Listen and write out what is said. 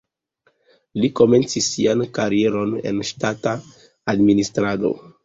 Li komencis sian karieron en ŝtata administrado.